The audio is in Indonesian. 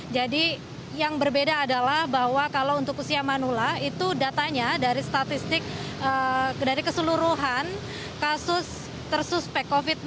jadi yang berbeda adalah bahwa kalau untuk usia manula itu datanya dari statistik dari keseluruhan kasus tersuspek covid sembilan belas